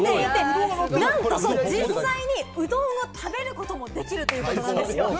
なんと実際にうどんを食べることもできるというんです。